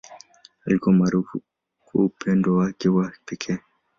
Alikuwa maarufu kwa upendo wake wa pekee.